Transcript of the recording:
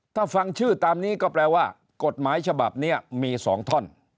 ถ้าฟังชื่อตามนี้ก็แปลว่ากฎหมายฉบับนี้มี๒ท่อน